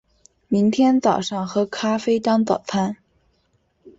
明天早上喝咖啡当早餐